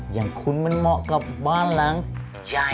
อย่างคุณมันเหมาะกับบ้านหลังใหญ่